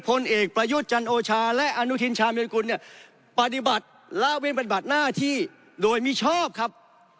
พลเอกประยุทธ์จันโอชาและอนุทินชาญกุลเนี่ยปฏิบัติละเว้นปฏิบัติหน้าที่โดยมิชอบครับ